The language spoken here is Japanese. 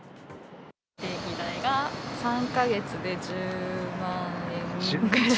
定期代が３か月で１０万円。